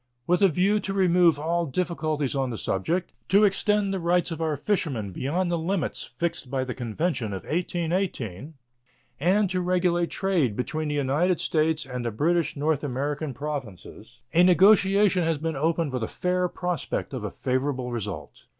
With a view to remove all difficulties on the subject, to extend the rights of our fishermen beyond the limits fixed by the convention of 1818, and to regulate trade between the United States and the British North American Provinces, a negotiation has been opened with a fair prospect of a favorable result.